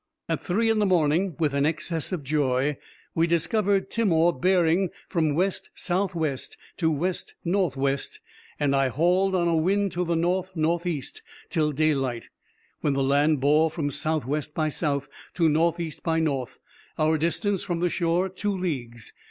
_—At three in the morning, with an excess of joy, we discovered Timor bearing from west south west to west north west, and I hauled on a wind to the north north east till daylight, when the land bore from south west by south to north east by north; our distance from the shore two leagues.